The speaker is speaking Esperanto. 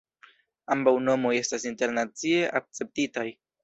Ambaŭ nomoj estas internacie akceptitaj.